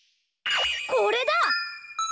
これだ！